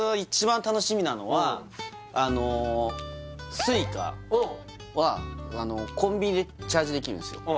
あのＳｕｉｃａはコンビニでチャージできるんですよ